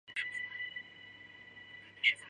首府阿贝歇。